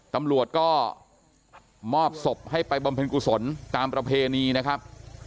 ตำลวดก็เงิบศพให้ไปบรรเวนกุศลตามประเพณีนะครับ